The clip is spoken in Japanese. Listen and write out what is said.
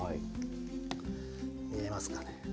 見えますかね。